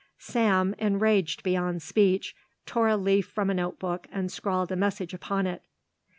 Sam, enraged beyond speech, tore a leaf from a notebook and scrawled a message upon it.